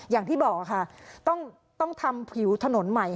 อย่างที่บอกค่ะต้องทำผิวถนนใหม่